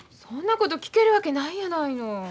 そんなこと聞けるわけないやないの。